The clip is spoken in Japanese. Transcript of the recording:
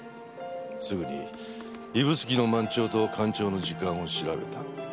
すぐに指宿の満潮と干潮の時間を調べた。